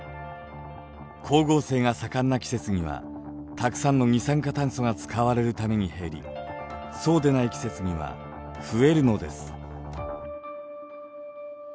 光合成が盛んな季節にはたくさんの二酸化炭素が使われるために減りそうでない季節には増えるのです。